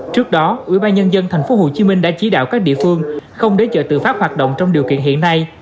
trước đó ủy ban nhân dân tp hcm đã chỉ đạo các địa phương không để chợ tự phát hoạt động trong điều kiện hiện nay